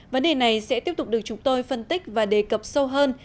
vấn đề này sẽ tiếp tục được chúng tôi phân tích và đề cập sâu hơn